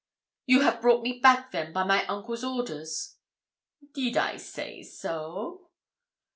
'You have brought me back, then, by my uncle's orders?' 'Did I say so?'